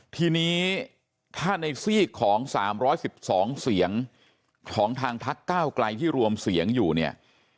ทีนี้ถ้าในซีกของ๓๑๒เสียงของทางพักก้าวไกลที่รวมเสียงอยู่เนี่ย